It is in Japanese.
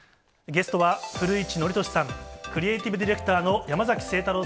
ゲストは古市憲寿さん、クリエーティブディレクターの山崎晴太郎